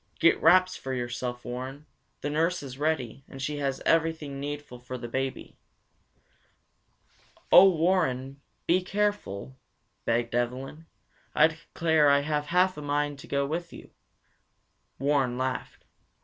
"Get wraps for yourself, Warren. The nurse is ready, and she has everything needful for the baby." "Oh, Warren, be careful, begged Evelyn. I declare I have half a mind to go with you!" Warren laughed.